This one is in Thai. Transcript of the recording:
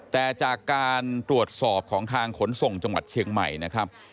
แต่จากการตรวจสอบของทางขนส่งจังหวัดเชียงใหม่นะครับ